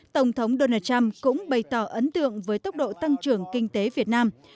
tổng thống donald trump cũng bày tỏ ấn tượng với tốc độ tăng trưởng kinh tế việt nam